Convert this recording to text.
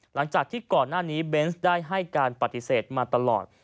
หลังจากที่ก่อนหน้านี้เบนส์ได้ให้การปฏิเสธมาตลอด